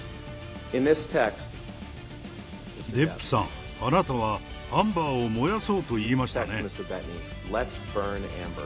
デップさん、あなたはアンバーを燃やそうと言いましたね。